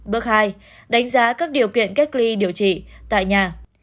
bước hai đánh giá các điều kiện cách ly điều trị tại nhà